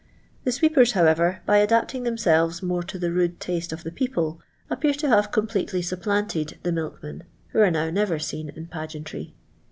The sweepers, however, by adapting themselvei more to the nide taste of the people, ^PP^v to have completely supplanted the milkmen, who arc now never seen in pageantry.